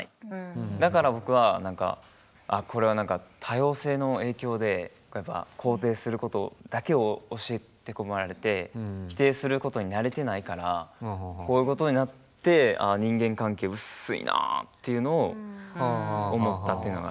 だから僕は何かああこれは何か多様性の影響で肯定することだけを教えて込まれて否定することに慣れてないからこういうことになって人間関係薄いなっていうのを思ったっていうのが。